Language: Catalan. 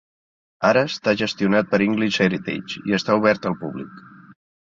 Ara està gestionat per English Heritage i està obert al públic.